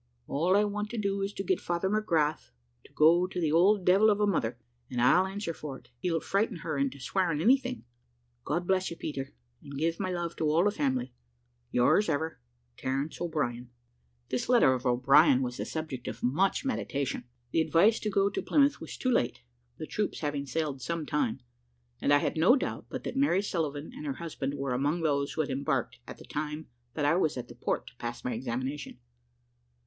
All I want to do is to get Father McGrath to go to the old devil of a mother, and I'll answer for it, he'll frighten her into swearing anything. God bless you, Peter and give my love to all the family. "Yours ever, "TERENCE O'BRIEN." This letter of O'Brien was the subject of much meditation. The advice to go to Plymouth was too late, the troops having sailed some time; and I had no doubt but that Mary Sullivan and her husband were among those who had embarked at the time that I was at the port to pass my examination.